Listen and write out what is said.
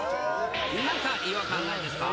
なんか違和感ないですか？